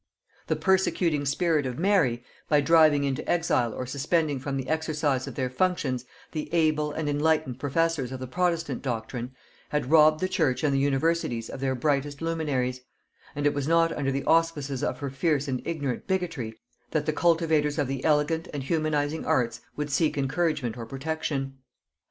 The persecuting spirit of Mary, by driving into exile or suspending from the exercise of their functions the able and enlightened professors of the protestant doctrine, had robbed the church and the universities of their brightest luminaries; and it was not under the auspices of her fierce and ignorant bigotry that the cultivators of the elegant and humanizing arts would seek encouragement or protection.